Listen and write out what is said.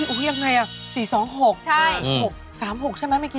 ยังไงอ่ะ๔๒๖๓๖ใช่ไหมเมื่อกี้